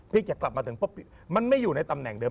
จะกลับมาถึงปุ๊บมันไม่อยู่ในตำแหน่งเดิ